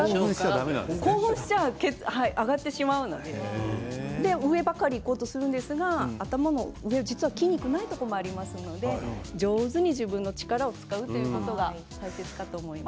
興奮すると血流が上がってしまうので上ばかりいこうとするんですが頭の上、筋肉がないところもありますので、上手に自分の力を使うというところが大切かと思います。